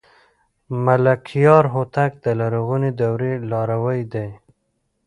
ملکیار هوتک د لرغونې دورې لاروی دی.